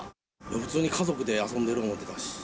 普通に家族で遊んでいると思ってたし。